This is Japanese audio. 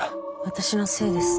私のせいです。